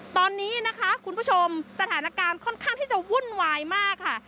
ตอนนี้นะคะคุณผู้ชมสถานการณ์ค่อนข้างที่จะวุ่นวายมากค่ะ